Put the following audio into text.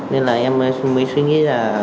nên là em mới suy nghĩ là